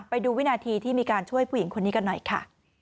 ไปดูวินาทีที่มีการช่วยผู้หญิงคนนี้กันหน่อยค่ะ